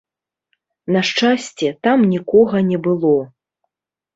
На шчасце, там нікога не было.